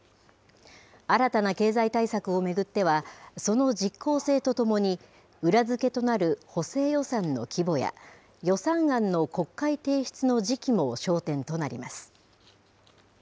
新たな経済対策を巡っては、その実効性とともに、裏付けとなる補正予算の規模や、予算案の国会提出の時期も焦点となります。